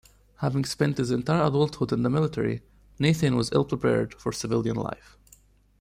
Having spent his entire adulthood in the military, Nathan was ill-prepared for civilian life.